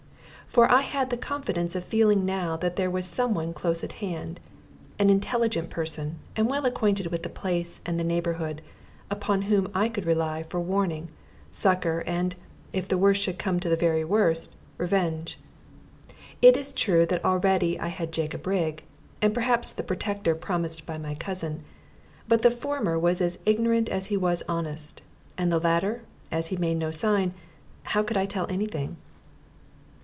For I had the confidence of feeling now that here was some one close at hand, an intelligent person, and well acquainted with the place and neighborhood, upon whom I could rely for warning, succor, and, if the worst should come to the very worst, revenge. It is true that already I had Jacob Rigg, and perhaps the protector promised by my cousin; but the former was as ignorant as he was honest, and of the latter, as he made no sign, how could I tell any thing?